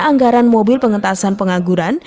anggaran mobil pengentasan pengaguran